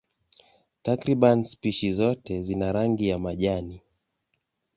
Takriban spishi zote zina rangi ya majani.